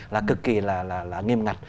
là cực kỳ là nghiêm ngặt